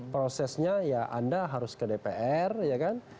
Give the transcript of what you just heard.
prosesnya ya anda harus ke dpr ya kan